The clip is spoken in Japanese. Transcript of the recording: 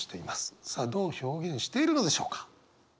さあどう表現しているのでしょうか。